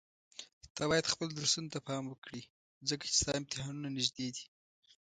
ته بايد خپل درسونو ته پام وکړي ځکه چي ستا امتحانونه نيږدي دي.